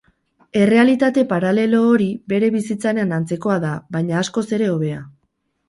Errealitate paralelo hori bere bizitzaren antzekoa da, baina askoz ere hobea.